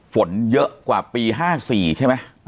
ฝนเยอะกว่าปี๑๙๕๔ใช่มั้ย